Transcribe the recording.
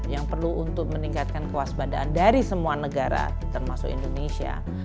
yang perlu untuk meningkatkan kewaspadaan dari semua negara termasuk indonesia